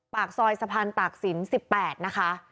ปากซอยสะพานตากศิลป์๑๘นะคะ